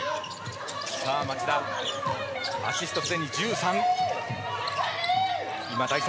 町田はアシスト、すでに１３。